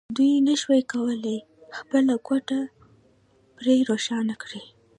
دوی نشوای کولای خپله کوټه پرې روښانه کړي